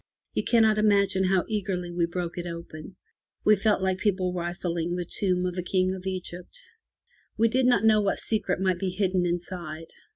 You cannot imagine how eagerly we broke it open. We felt like people rifling the tomb of a King of Egypt. We did not know what secret might be hidden inside.